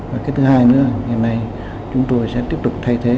và thứ hai nữa là hôm nay chúng tôi sẽ tiếp tục thay thế